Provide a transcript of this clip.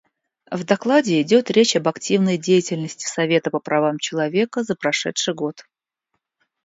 В докладе идет речь об активной деятельности Совета по правам человека за прошедший год.